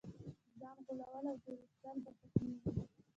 ځان غولول او تېر ایستل به په کې وي.